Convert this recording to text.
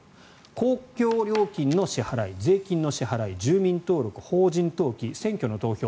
公共料金の支払い、税金の支払い住民登録法人登記、選挙の投票